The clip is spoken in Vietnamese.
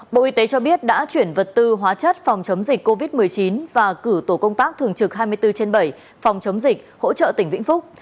bộ y tế cho biết đã chuyển vật tư hóa chất phòng chống dịch covid một mươi chín và cử tổ công tác thường trực hai mươi bốn trên bảy phòng chống dịch hỗ trợ tỉnh vĩnh phúc